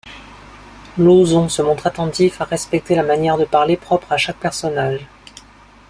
Lauzon se montre attentif à respecter la manière de parler propre à chaque personnage.